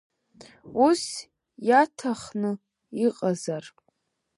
Ус иаҭахны иҟазар.